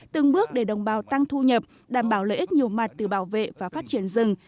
từng bước để đồng bào tăng thu nhập đảm bảo lợi ích nhiều mặt từ bảo vệ và phát triển rừng